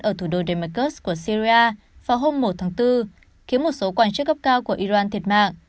ở thủ đô damascus của syria vào hôm một tháng bốn khiến một số quan chức gấp cao của iran thiệt mạng